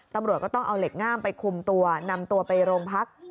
ตำรวจก็ต้องเอาเหล็กง่ามไปคุมตัวนำตัวไปโรงพัก